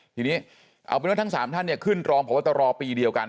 ทีนี้เอาเป็นว่าทั้ง๓ท่านเนี่ยขึ้นรองพบตรปีเดียวกัน